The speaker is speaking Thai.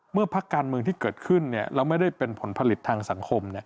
พักการเมืองที่เกิดขึ้นแล้วไม่ได้เป็นผลผลิตทางสังคม